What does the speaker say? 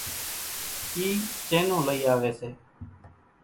اِي چينون لئِي آويَ سي۔